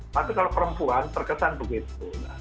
tapi kalau perempuan terkesan begitu